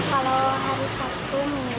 kalau hari sabtu minggu